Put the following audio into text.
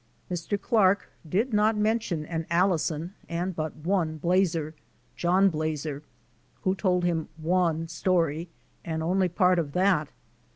Mr. Clark did not mention an Allison and but one Blazer, John Blazer, who told him one story and only part of that.